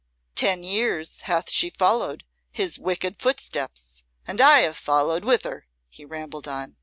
"Ten years hath she followed his wicked footsteps and I have followed with her," he rambled on.